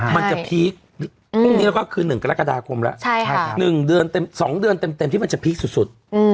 มันจะพีคพรุ่งนี้ก็คือ๑กรกฎาคมแล้ว๑เดือน๒เดือนเต็มที่มันจะพีคสุด